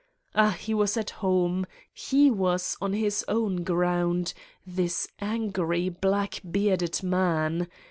Ah, he was at home, he was on his own ground, this angry, black bearded man.